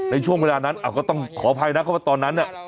ในช่วงเวลานั้นก็ต้องขออภัยนะเพราะว่าตอนนั้นน่ะ